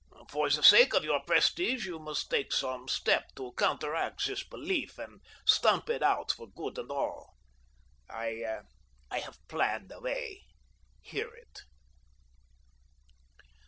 For the sake of your prestige you must take some step to counteract this belief and stamp it out for good and all. I have planned a way—hear it.